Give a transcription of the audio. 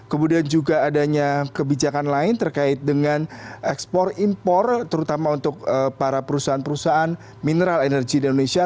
kemudian juga adanya kebijakan lain terkait dengan ekspor impor terutama untuk para perusahaan perusahaan mineral energi di indonesia